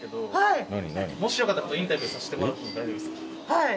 はい。